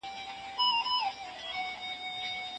دوی ته څرګنده سوه چي مخکينۍ لاره ناسمه وه.